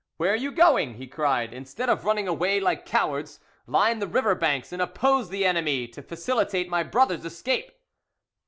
"Where are you going?" he cried, "Instead of running away like cowards, line the river banks and oppose the enemy to facilitate my brother's escape."